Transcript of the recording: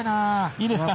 いいですか？